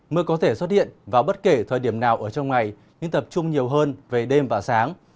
mưa có thể xuất hiện vào bất kể thời điểm nào ở trong ngày nhưng tập trung nhiều hơn về đêm và sáng